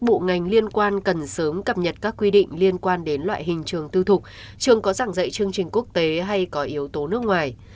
các bộ ngành liên quan cần sớm cập nhật các quy định liên quan đến loại hình trường tư thục trường có giảng dạy chương trình quốc tế hay có yếu tố nước ngoài